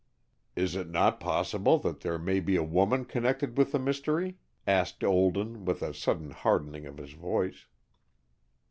"Is it not possible that there may be a woman connected with the mystery?" asked Olden with a sudden hardening of his voice.